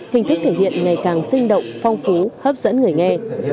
hình thức thể hiện ngày càng sinh động phong phú hấp dẫn người nghe